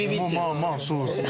まあまあそうですね。